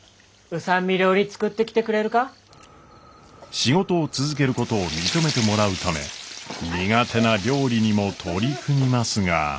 仕事を続けることを認めてもらうため苦手な料理にも取り組みますが。